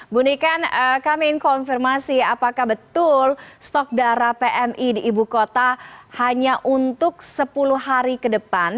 bu niken kami ingin konfirmasi apakah betul stok darah pmi di ibu kota hanya untuk sepuluh hari ke depan